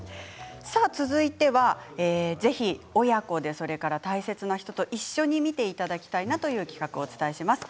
続いてはぜひ、親子でそれから大切な人と一緒に見ていただきたいなという企画をお伝えします。